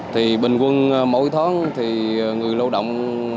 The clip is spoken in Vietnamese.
thì bình quân mỗi tháng thì người lâu động